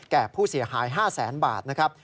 แก่ผู้เสียหาย๕แสนบาทนะครับ